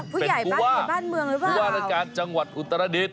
เป็นผู้ว่าปูวานะคะจังหวัดอุตราดิษฐิ์